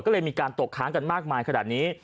ก็เลยมีการตกค้างกันมากมายขนาดนี้